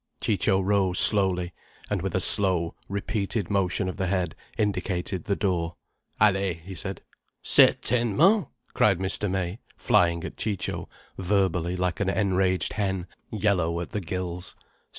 Ciccio rose slowly, and with a slow, repeated motion of the head, indicated the door. "Allez!" he said. "Certainement!" cried Mr. May, flying at Ciccio, verbally, like an enraged hen yellow at the gills.